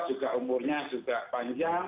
juga umurnya juga panjang